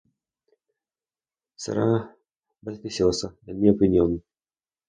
Cerrada... supersticiosa, en mi opinión.